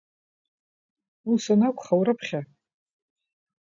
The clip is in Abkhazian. Ус анакәха, урыԥхьа!